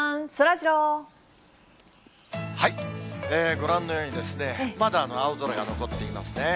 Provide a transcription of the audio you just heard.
ご覧のようにですね、まだ青空が残っていますね。